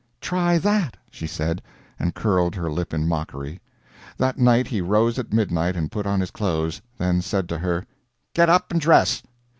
"Try that," she said, and curled her lip in mockery. That night he rose at midnight and put on his clothes, then said to her, "Get up and dress!"